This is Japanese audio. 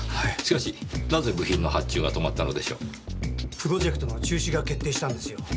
プロジェクトの中止が決定したんですよ。